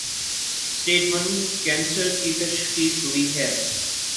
Stage one cancer کی تشخیص ہوئی ہے۔